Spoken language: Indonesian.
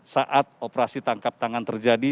saat operasi tangkap tangan terjadi